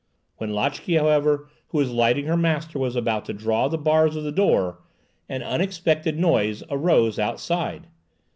When Lotchè, however, who was lighting her master, was about to draw the bars of the door, an unexpected noise arose outside.